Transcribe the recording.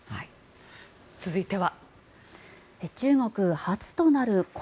続いては。